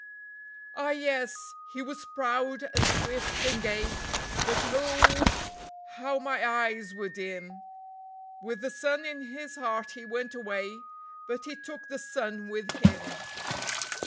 Ah yes, he was proud and swift and gay, but oh how my eyes were dim! With the sun in his heart he went away, but he took the sun with him.